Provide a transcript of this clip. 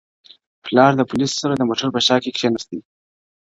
پلار له پوليسو سره د موټر په شا کي کينستئ,